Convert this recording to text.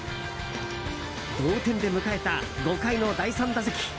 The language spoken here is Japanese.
同点で迎えた５回の第３打席。